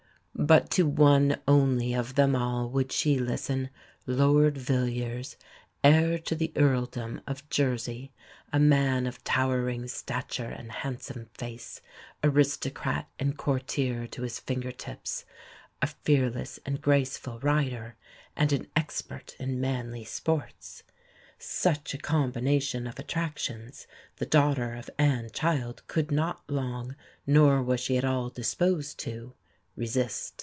But to one only of them all would she listen, Lord Villiers, heir to the Earldom of Jersey, a man of towering stature and handsome face, aristocrat and courtier to his finger tips, a fearless and graceful rider, and an expert in manly sports. Such a combination of attractions the daughter of Anne Child could not long, nor was she at all disposed to, resist.